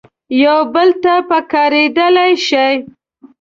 یو بل ته پکارېدلای شي.